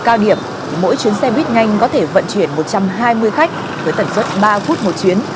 cao điểm mỗi chuyến xe buýt nhanh có thể vận chuyển một trăm hai mươi khách với tần suất ba phút một chuyến